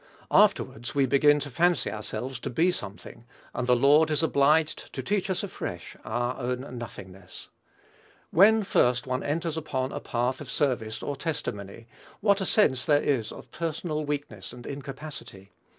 Afterwards we begin to fancy ourselves to be something, and the Lord is obliged to teach us afresh our own nothingness. When first one enters upon a path of service or testimony, what a sense there is of personal weakness and incapacity!